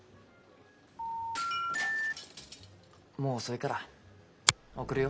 もう遅いから送るよ。